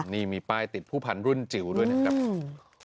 นี่มีป้ายติดผู้พันธ์รุ่นจิ๋วด้วยนะครับ